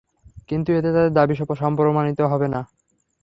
কিন্তু এতে তাদের দাবি সপ্রমাণিত হয় না।